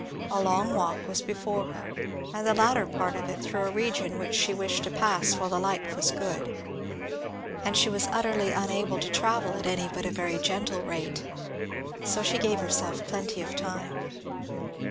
A long walk was before her and the latter part of it through a region which she wished to pass while the light was good. And she was utterly unable to travel at any but a very gentle rate. So she gave herself plenty of time.